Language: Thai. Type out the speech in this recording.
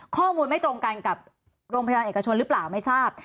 ข้อมูลไม่ตรงกันกับโรงพยาบาลเอกชนหรือเปล่าไม่ทราบ